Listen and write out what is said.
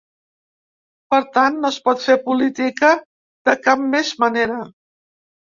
Per tant, no es pot fer política de cap més manera.